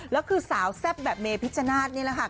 แล้วคือสาวแซ่บแบบเมพิชชนาธิ์นี่แหละค่ะ